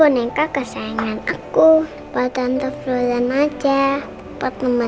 nanti aku bikinin deh buat mama